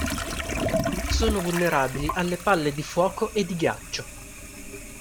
Sono vulnerabili alle palle di fuoco e di ghiaccio.